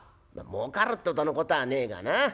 「もうかるってほどのことはねえがな